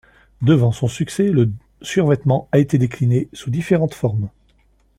Devant son succès, le survêtement a été décliné sous différentes formes.